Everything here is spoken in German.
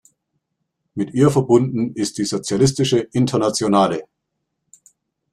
Mit ihr verbunden ist die Sozialistische Internationale.